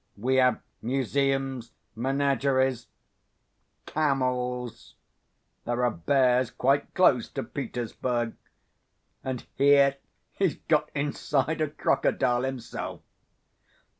We have museums, menageries, camels. There are bears quite close to Petersburg! And here he's got inside a crocodile himself...."